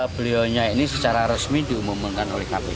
beliau ini secara resmi diumumkan oleh kpk